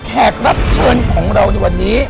แขกรับเชิญของเราในวันนี้